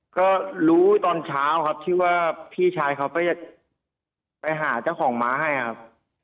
ก็รู้ตอนเช้าครับที่ว่าพี่ชายเขาก็จะไปหาเจ้าของม้าให้ครับ